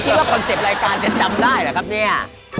คอนเซ็ปต์รายการจะจำได้หรือครับเนี่ย